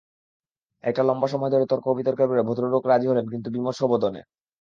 একটা লম্বা সময় তর্ক বিতর্কের পরে ভদ্রলোক রাজি হলেন কিন্তু বিমর্ষ বদনে।